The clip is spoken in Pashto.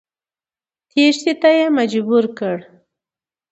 په فرار کېدلو یې مجبور کړ.